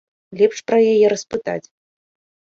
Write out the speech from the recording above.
Лепш пра яе распытаць.